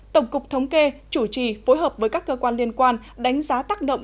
tổng cục thống kê chủ trì phối hợp với các cơ quan liên quan đánh giá tác động